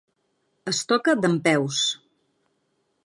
Es toca dempeus.